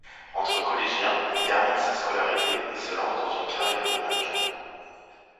Encore collégien, il termine sa scolarité et se lance dans une carrière de mannequin.